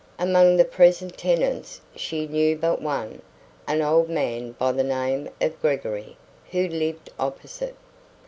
Among the present tenants she knew but one, an old man by the name of Gregory, who lived opposite.